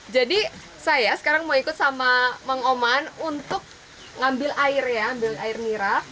jadi saya sekarang mau ikut sama mang oman untuk ngambil air ya ambil air mirap